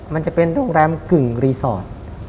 มันจะเป็นโรงแรมกึ่งรีสอร์ท